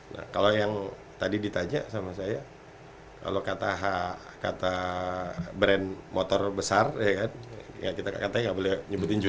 nah kalau yang tadi ditanya sama saya kalau kata brand motor besar ya kan ya kita katanya nggak boleh nyebutin juga